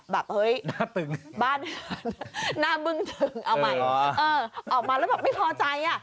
แบบเฮ้ยบ้านหน้ามึงถึงเอาใหม่เออออกมาแล้วแบบไม่พอใจ